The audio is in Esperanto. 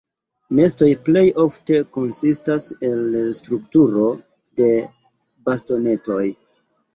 Nestoj plej ofte konsistas el strukturo de bastonetoj.